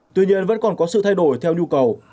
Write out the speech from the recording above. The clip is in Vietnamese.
tuy nhiên vẫn còn có sự thay đổi theo nhu cầu